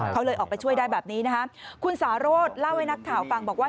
เขาเลยออกไปช่วยได้แบบนี้นะคะคุณสาโรธเล่าให้นักข่าวฟังบอกว่า